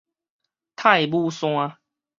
太姥山